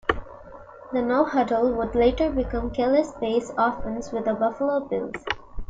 The no-huddle would later become Kelly's base offense with the Buffalo Bills.